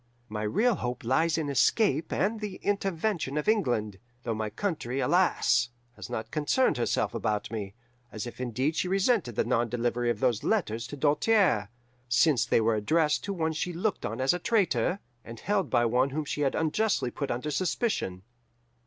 My real hope lies in escape and the intervention of England, though my country, alas! has not concerned herself about me, as if indeed she resented the non delivery of those letters to Doltaire, since they were addressed to one she looked on as a traitor, and held by one whom she had unjustly put under suspicion.